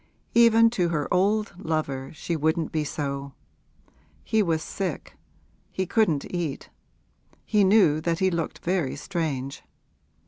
Even to her old lover she wouldn't be so! He was sick; he couldn't eat; he knew that he looked very strange.